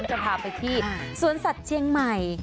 จะพาไปที่สวนสัตว์เชียงใหม่